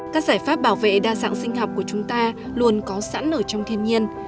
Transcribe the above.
các giải pháp bảo vệ đa dạng sinh học của chúng ta luôn có sẵn ở trong thiên nhiên